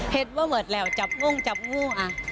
เห็นว่าเหมือนเหล่าจับงงจับงู